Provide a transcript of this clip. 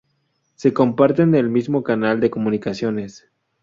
Se comparte el mismo canal de comunicaciones.